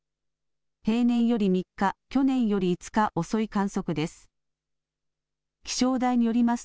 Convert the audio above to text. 平年より３日、去年より５日遅い観測です。